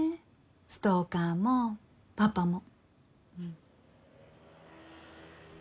ストーカーもパパも。